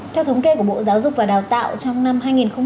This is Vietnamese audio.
theo thống kê của bộ giáo dục và đào tạo trong năm hai nghìn hai mươi